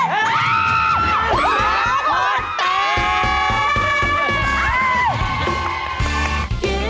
เจฟผลแตกนะคะ